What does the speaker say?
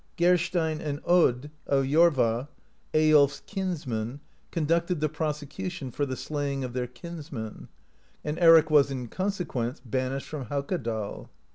Geirstein and Odd of Jorva, Eyiolf's kinsmen, conducted the prosecu tion for the slaying of their kinsmen, and Eric was, in consequence, banished from Haukadal.